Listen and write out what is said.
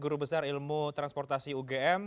guru besar ilmu transportasi ugm